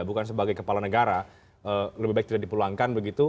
bukan sebagai kepala negara lebih baik tidak dipulangkan begitu